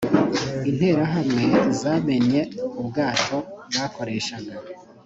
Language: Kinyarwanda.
interahamwe zamennye ubwato bakoreshaga